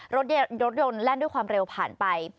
รถยนต์แล่นด้วยความเร็วผ่านไป